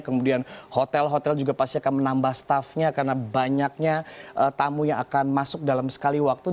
kemudian hotel hotel juga pasti akan menambah staffnya karena banyaknya tamu yang akan masuk dalam sekali waktu